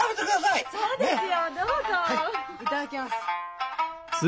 いただきます。